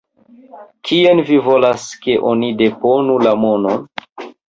Kien vi volas, ke oni deponu la monon?